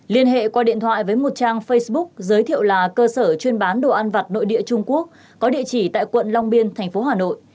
liên hệ qua điện thoại với một trang facebook giới thiệu là cơ sở chuyên bán đồ ăn vặt nội địa trung quốc có địa chỉ tại quận long biên thành phố hà nội